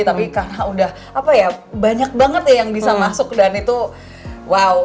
tapi karena udah apa ya banyak banget ya yang bisa masuk dan itu wow